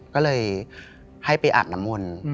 ก็เลยให้ไปอาบน้ำมนต์